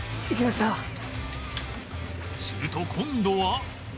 すると今度は